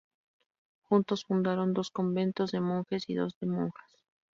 Juntos fundaron dos conventos de monjes y dos de monjas.